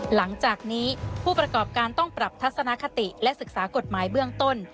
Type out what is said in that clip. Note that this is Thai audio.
หลังจากนี้ผู้ประกอบการต้องปรับทัศนคติและศึกษากฎหมายเบื้องต้น